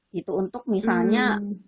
gitu untuk misalnya